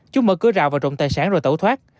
chúng mở cửa rào và trộm tài sản rồi tẩu thoát